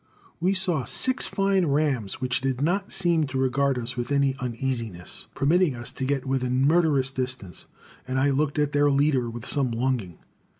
We saw six fine rams which did not seem to regard us with any uneasiness, permitting us to get within murderous distance, and I looked at their leader with some longing.